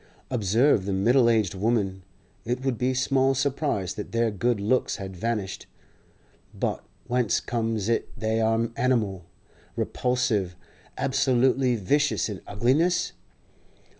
Observe the middle aged women; it would be small surprise that their good looks had vanished, but whence comes it they are animal, repulsive, absolutely vicious in ugliness?